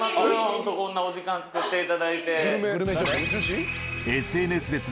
ホントこんなお時間つくっていただいて。